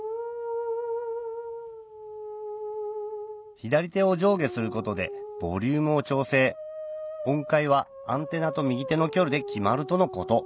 左手を上下することでボリュームを調整音階はアンテナと右手の距離で決まるとのこと